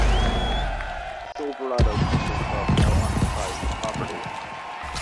Silverado Country Club now occupies the property.